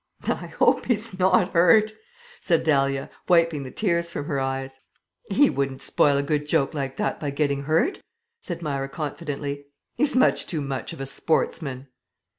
"I hope he is not hurt," said Dahlia, wiping the tears from her eyes. "He wouldn't spoil a good joke like that by getting hurt," said Myra confidently. "He's much too much of a sportsman."